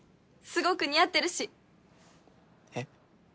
すごく似合ってるしえっ？